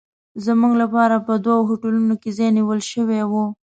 زموږ لپاره په دوو هوټلونو کې ځای نیول شوی و.